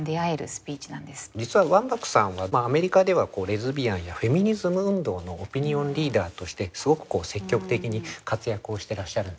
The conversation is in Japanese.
実はワンバックさんはアメリカではレズビアンやフェミニズム運動のオピニオンリーダーとしてすごく積極的に活躍をしてらっしゃるんですね。